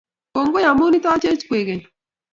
kongoi amu itochech kwekeny